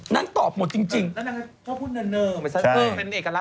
นั่นแหละค่ะ